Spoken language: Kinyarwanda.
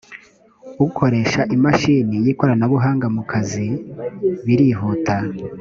ukoresha imashini y’ikoranabuhanga mu kazi biruhuta